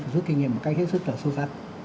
phản xuất kinh nghiệm một cách rất sâu sắc